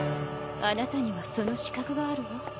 あなたにはその資格があるわ。